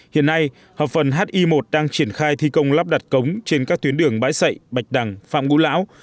hiện nay hợp phần hi một đang triển khai thi công lắp đặt cống trên các tuyến đường bãi sậy bạch đằng phạm ngũ lão